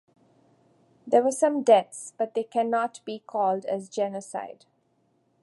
There were some deaths but they can not be called as genocide.